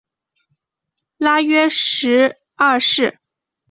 拉约什二世。